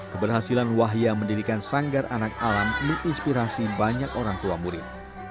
keberhasilan wahya mendirikan sanggar anak alam menginspirasi banyak orang tua murid